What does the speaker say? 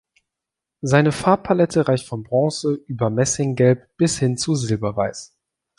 Seine Farbpalette reicht von Bronze über Messinggelb bis hin zu Silberweiß.